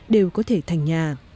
đều có thể thành nhà